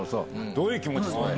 どういう気持ち？